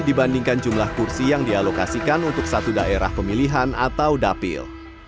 dibandingkan jumlah kursi yang dialokasikan untuk satu daerah pemilihan atau dapil